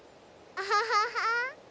アハハハ。